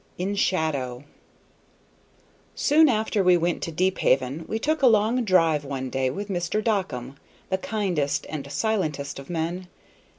In Shadow Soon after we went to Deephaven we took a long drive one day with Mr. Dockum, the kindest and silentest of men.